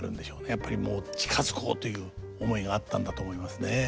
やっぱりもう近づこうという思いがあったんだと思いますね。